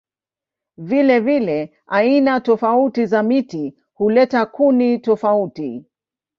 Vilevile aina tofauti za miti huleta kuni tofauti.